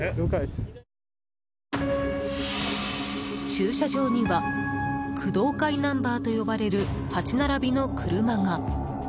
駐車場には、工藤会ナンバーと呼ばれる８並びの車が。